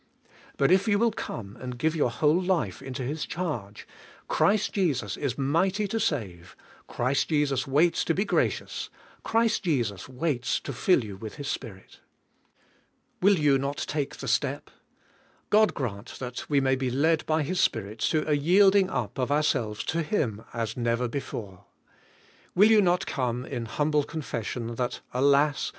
But if you will come and give your whole life into His charge, Christ Jesus is mighty to save; Christ Jesus waits to be gracious; Christ Jesus waits to fill you with His Spirit. Will you not take the step? God grant that we may be led by His Spirit to a yielding up of our selves to Him as never before. Will you not come in humble confession that, alas!